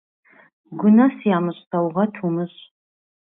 Гунэс ямыщӀ саугъэт умыщӀ.